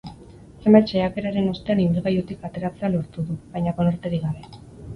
Zenbait saiakeraren ostean ibilgailutik ateratzea lortu du, baina konorterik gabe.